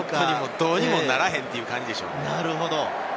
どうにもならへんという感じでしょう。